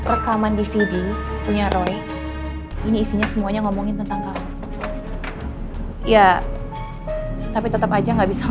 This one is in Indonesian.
rekaman dvd punya roy ini isinya semuanya ngomongin tentang kamu iya tapi tetep aja enggak bisa